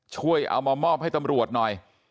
ช่วยเอามามอบให้ตำรวจหน่อย